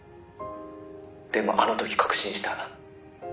「でもあの時確信した」